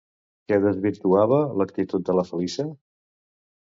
Què desvirtuava l'actitud de la Feliça?